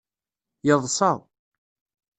Yeḍṣa.